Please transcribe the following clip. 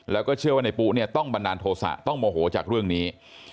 แล้วก็เชื่อว่าในปุ๊เนี่ยต้องบันดาลโทษะต้องโมโหจากเรื่องนี้